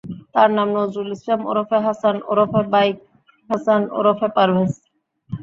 তাঁর নাম নজরুল ইসলাম ওরফে হাসান ওরফে বাইক হাসান ওরফে পারভেজ।